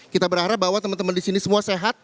kita berharap bahwa temen temen disini semua sehat